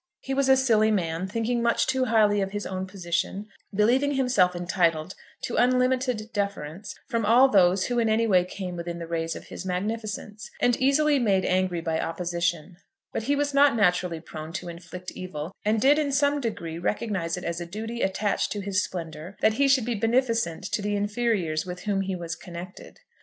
He was a silly man, thinking much too highly of his own position, believing himself entitled to unlimited deference from all those who in any way came within the rays of his magnificence, and easily made angry by opposition; but he was not naturally prone to inflict evil, and did in some degree recognise it as a duty attached to his splendour that he should be beneficent to the inferiors with whom he was connected.